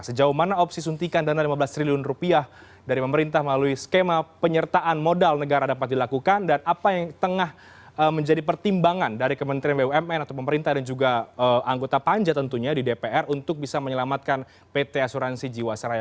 sejauh mana opsi suntikan dana lima belas triliun rupiah dari pemerintah melalui skema penyertaan modal negara dapat dilakukan dan apa yang tengah menjadi pertimbangan dari kementerian bumn atau pemerintah dan juga anggota panja tentunya di dpr untuk bisa menyelamatkan pt asuransi jiwasraya